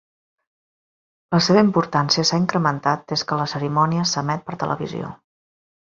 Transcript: La seva importància s'ha incrementat des que la cerimònia s'emet per televisió.